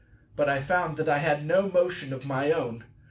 But I found that I had no motion of my own.